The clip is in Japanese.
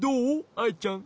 アイちゃん。